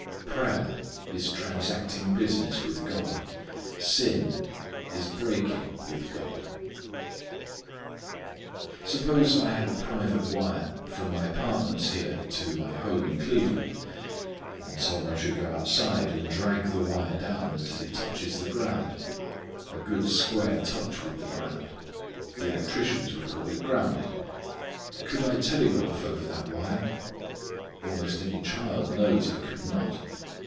Prayer is transacting business with God. Sin is breaking with God. Suppose I had a private wire from my apartments here to my home in Cleveland, and some one should go outside and drag the wire down until it touches the ground a good square touch with the ground the electricians would call it grounded, could I telegraph over that wire? Almost any child knows I could not.